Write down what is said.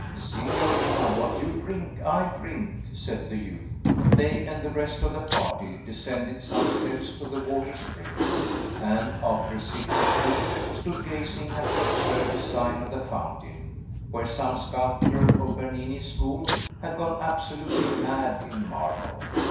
"Signorina, what you drink, I drink," said the youth. They and the rest of the party descended some steps to the water's brim, and, after a sip or two, stood gazing at the absurd design of the fountain, where some sculptor of Bernini's school had gone absolutely mad in marble.